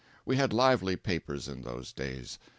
We had lively papers in those days.